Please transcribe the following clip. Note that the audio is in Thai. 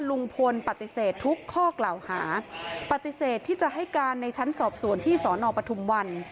ลุงพลปฏิเสธทุกข้อกล่าวหาปฏิเสธที่จะให้การในชั้นสอบสวนที่สอนอปทุมวัน